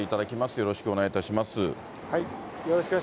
よろしくお願いします。